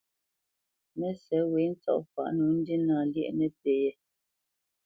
Mə́sɛ̌t wě ntsɔ̂faʼ nǒ ndína lyéʼ nəpí yɛ̌.